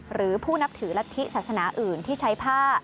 หรือผู้นับถือรัฐธิศาสนาอื่นที่ใช้ผ้า